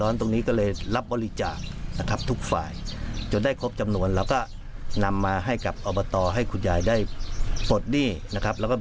ยายบวนเองก็ถึง